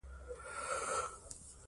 رنګ یې شخصیت ښيي.